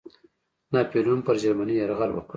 ناپلیون پر جرمني یرغل وکړ.